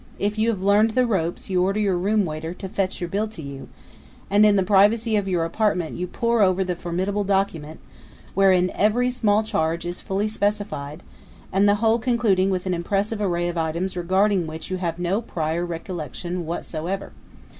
If you have learned the ropes you order your room waiter to fetch your bill to you, and in the privacy of your apartment you pore over the formidable document wherein every small charge is fully specified, the whole concluding with an impressive array of items regarding which you have no prior recollection whatsoever.